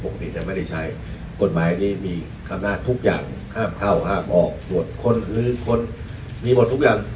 กฎหมายนี้มีคำนาจทุกอย่างห้าบเข้าห้าบอบหรือคนมีหมดทุกอย่าง